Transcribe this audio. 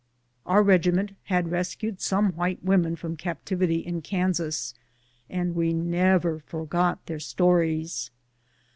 Our regiment had rescued some white women from captivity in Kansas, and we never forgot their stories.